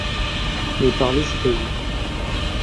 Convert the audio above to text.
Mais parler c’est agir.